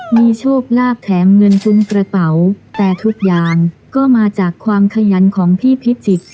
มีโชคลาภแถมเงินฟุ้งกระเป๋าแต่ทุกอย่างก็มาจากความขยันของพี่พิจิกษ